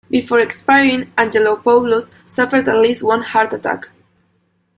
Before expiring, Angelopoulos suffered at least one heart attack.